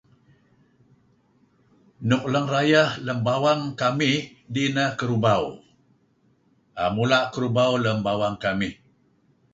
Nk lang rayeh lem bawang kamih inah dih nah kerubau. Mula' kerubau lem bawang kamih.